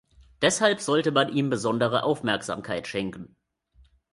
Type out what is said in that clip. Deshalb sollte man ihm besondere Aufmerksamkeit schenken.